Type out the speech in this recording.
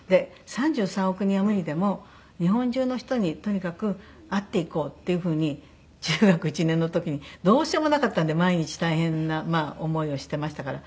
３３億人は無理でも日本中の人にとにかく会っていこうっていう風に中学１年の時にどうしようもなかったので毎日大変な思いをしてましたから。